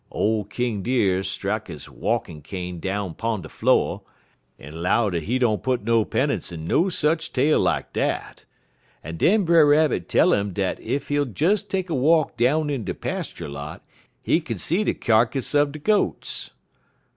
"Ole King Deer strak he walkin' cane down 'pon de flo', en 'low dat he don't put no 'pennunce in no sech tale lak dat, en den Brer Rabbit tell 'im dat ef he'll des take a walk down in de pastur' lot, he kin see de kyarkiss er de goats.